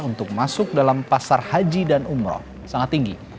untuk masuk dalam pasar haji dan umroh sangat tinggi